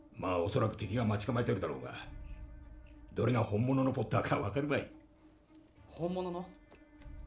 恐らく敵が待ち構えてるだろうがどれが本物のポッターか分かるまい本物の？